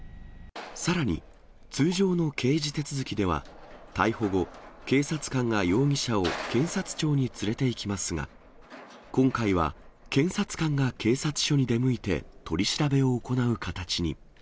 さらに通常の刑事手続きでは、逮捕後、警察官が容疑者を検察庁に連れていきますが、今回は検察官が警察署に出向いて、取り調べを行う形に。